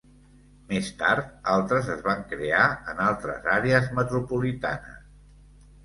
Més tard, altres es van crear en altres àrees metropolitanes.